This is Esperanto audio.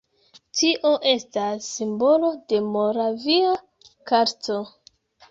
Tio estas simbolo de Moravia karsto.